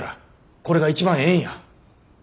これが一番ええんや。